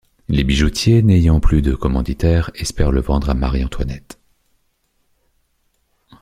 Les bijoutiers, n'ayant plus de commanditaire, espèrent le vendre à Marie-Antoinette.